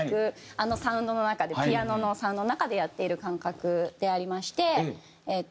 あのサウンドの中でピアノのサウンドの中でやっている感覚でありましてえっと。